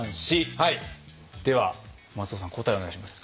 では松尾さん答えをお願いします。